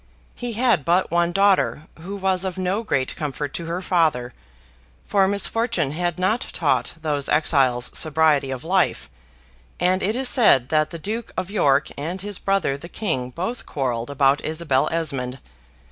He had but one daughter, who was of no great comfort to her father; for misfortune had not taught those exiles sobriety of life; and it is said that the Duke of York and his brother the King both quarrelled about Isabel Esmond.